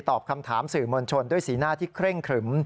ตอบคำถามสื่อมวลชนด้วยสีหน้าที่เคร่งครึม